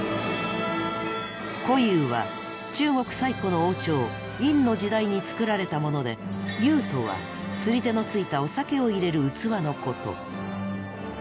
虎は中国最古の王朝殷の時代に作られたものでとは釣り手のついたお酒を入れる器のこと。